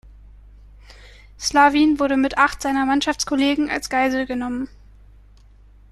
Slavin wurde mit acht seiner Mannschaftskollegen als Geisel genommen.